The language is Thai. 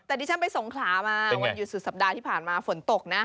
แต่ดิฉันไปสงขลามาวันหยุดสุดสัปดาห์ที่ผ่านมาฝนตกนะ